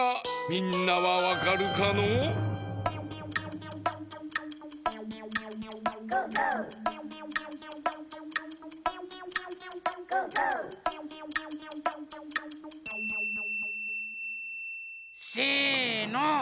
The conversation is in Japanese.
みんなはわかるかのう？せの！